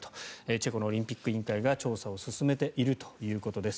チェコのオリンピック委員会が調査を進めているということです。